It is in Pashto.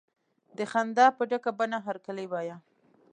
د خندا په ډکه بڼه هرکلی وایه.